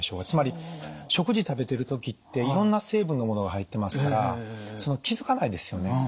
つまり食事食べてる時っていろんな成分のものが入ってますから気付かないですよね。